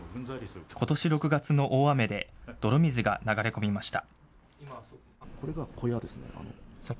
ことし６月の大雨で泥水が流れ込みました。